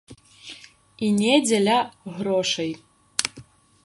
І не дзеля грошай.